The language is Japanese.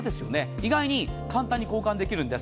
意外に簡単に交換できるんです。